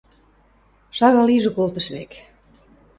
Шагал ижӹ колтыш вӓк.